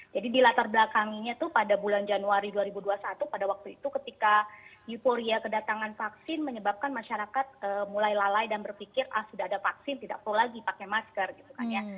jadi di latar belakangnya itu pada bulan januari dua ribu dua puluh satu pada waktu itu ketika euforia kedatangan vaksin menyebabkan masyarakat mulai lalai dan berpikir ah sudah ada vaksin tidak perlu lagi pakai masker gitu kan ya